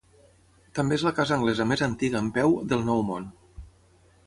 També és la casa anglesa més antiga en peu del Nou Món.